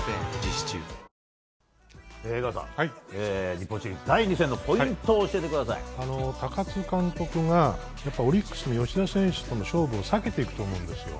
日本シリーズ第２戦の高津監督がオリックス、吉田選手との勝負を避けていくと思うんですよ。